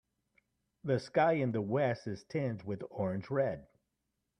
The sky in the west is tinged with orange red.